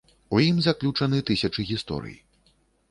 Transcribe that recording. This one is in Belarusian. У ім заключаны тысячы гісторый.